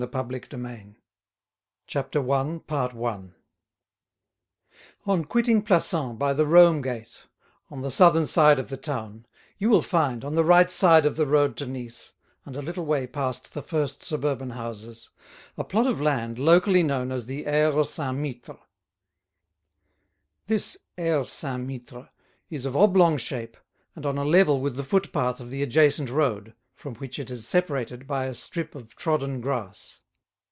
THE FORTUNE OF THE ROUGONS CHAPTER I On quitting Plassans by the Rome Gate, on the southern side of the town, you will find, on the right side of the road to Nice, and a little way past the first suburban houses, a plot of land locally known as the Aire Saint Mittre. This Aire Saint Mittre is of oblong shape and on a level with the footpath of the adjacent road, from which it is separated by a strip of trodden grass.